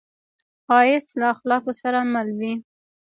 ښایست له اخلاقو سره مل وي